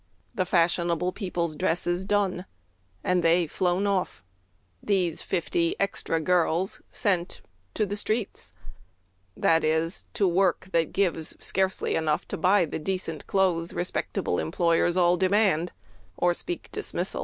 The fashionable people's dresses done, And they flown off, these fifty extra girls Sent—to the streets: that is, to work that gives Scarcely enough to buy the decent clothes Respectable employers all demand Or speak dismissal.